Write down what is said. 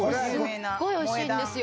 すっごいおいしいんですよ。